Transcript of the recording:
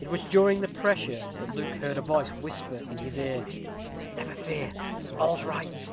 It was during the pressure that Luke heard a voice whisper in his ear, "Never fear; all's right!"